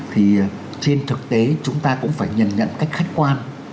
thì trên thực tế chúng ta cũng phải nhận nhận cách khách quan